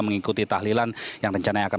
mengikuti tahlilan yang rencananya akan